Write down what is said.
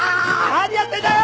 何やってんだよ！